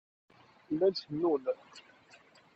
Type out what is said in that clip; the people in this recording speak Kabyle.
Llan cennun.